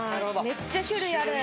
めっちゃ種類ある。